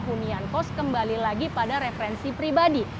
hunian kos kembali lagi pada referensi pribadi